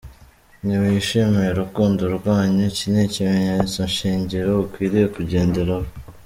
Ntiwishimiye urukundo rwanyu Iki ni ikimenyetso shingiro ukwiriye kugenderaho.